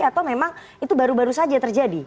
atau memang itu baru baru saja terjadi